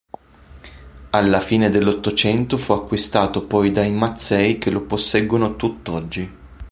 Alla fine dell'Ottocento fu acquistato poi dai Mazzei che lo posseggono tutt'oggi.